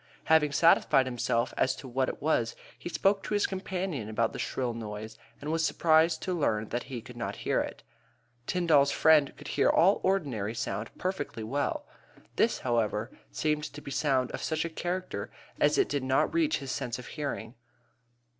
Having satisfied himself as to what it was he spoke to his companion about the shrill tone and was surprised to learn that he could not hear it. Tyndall's friend could hear all ordinary sound perfectly well. This, however, seemed to be sound of such a character as did not reach his sense of hearing.